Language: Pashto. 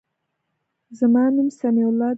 زما نوم سمیع الله دی.